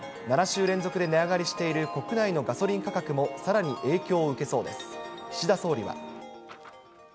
７週連続で値上がりしている国内のガソリン価格もさらに影響を受けそうです。